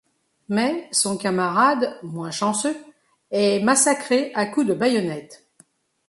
Mais, son camarade, moins chanceux, est massacré à coups de baïonnette.